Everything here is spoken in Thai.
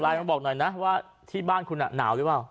มาบอกหน่อยนะว่าที่บ้านคุณหนาวหรือเปล่า